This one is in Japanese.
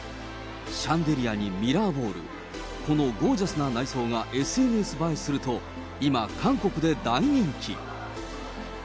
シャンデリアにミラーボール、このゴージャスな内装がＳＮＳ映えすると、今、韓国で大人気。